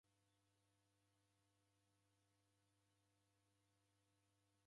W'andu w'aw'iaja w'asi kulipa mikopo.